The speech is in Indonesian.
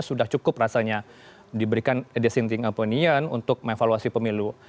sudah cukup rasanya diberikan dissenting opinion untuk evaluasi pemilu